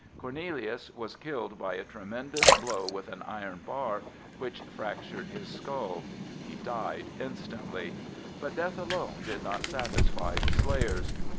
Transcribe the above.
Cornelius was killed by a tremendous blow with an iron bar which fractured his skull; he died instantly. But death alone did not satisfy the slayers.